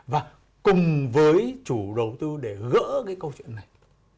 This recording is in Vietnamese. và cùng với chủ đầu tư để gỡ cái câu chuyện này